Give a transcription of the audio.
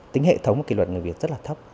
tính hệ thống của kỷ luật người việt rất là thấp